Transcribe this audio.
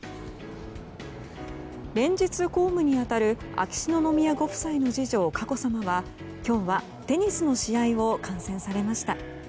連日公務に当たる秋篠宮ご夫妻の次女・佳子さまは今日はテニスの試合を観戦されました。